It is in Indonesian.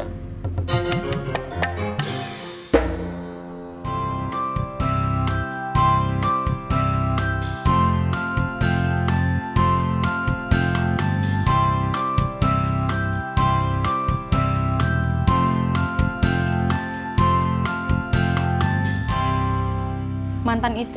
itu berbeda banget